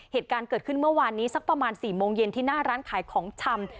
เหตุการณ์เกิดขึ้นเมื่อวานนี้สักประมาณ๔โมงเย็นที่หน้าร้านขายของชำ